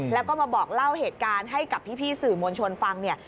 แล้วก็มาบอกเล่าเหตุการณ์ให้กับพี่สื่อมวลชนฟังเนี่ย